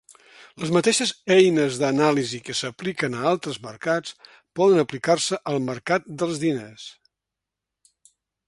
Les mateixes eines d'anàlisi que s'apliquen a altres mercats poden aplicar-se al mercat dels diners.